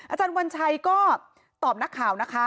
อาจารย์วัญชัยก็ตอบนักข่าวนะคะ